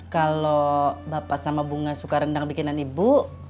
kalau bapak sama bunga suka rendang bikinan ibu